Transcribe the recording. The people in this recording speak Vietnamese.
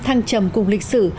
thăng trầm cùng lịch sử